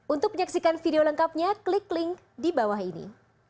untuk menyaksikan video lengkapnya klik link di bawah ini